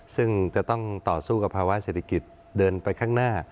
ซึ่งจะต้องต่อสู้กับภาวะเศรษฐกิจเดินไปข้างหน้า